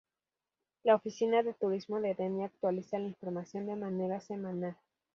La Oficina de Turismo de Denia actualiza la información de manera semanal.